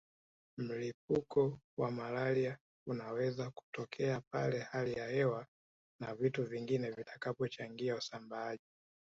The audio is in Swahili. Mlipuko wa malaria unaweza kutokea pale hali ya hewa na vitu vingine vitakapochangia usambaaji